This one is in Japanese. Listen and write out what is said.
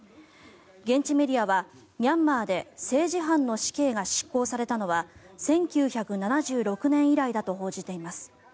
現地メディアは、ミャンマーで政治犯の死刑が執行されたのは１９７６年以来だと報じています。